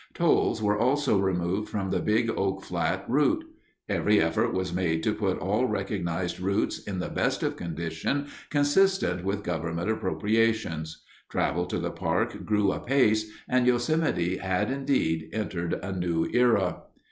Tolls were also removed from the Big Oak Flat route. Every effort was made to put all recognized routes in the best of condition consistent with government appropriations. Travel to the park grew apace, and Yosemite had, indeed, entered a new era.